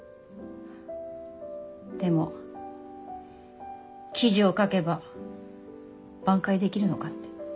でも記事を書けば挽回できるのかって。